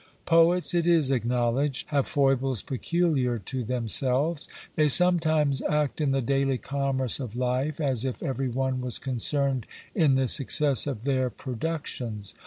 Poets, it is acknowledged, have foibles peculiar to themselves. They sometimes act in the daily commerce of life as if every one was concerned in the success of their productions.